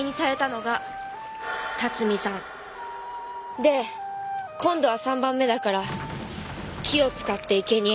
で今度は３番目だから木を使って生け贄に。